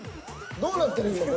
どうなってるんよ